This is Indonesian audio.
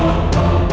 ada apaan sih